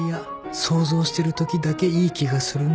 想像してるときだけいい気がするんだよ